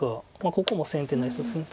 ここも先手になりそうですけど。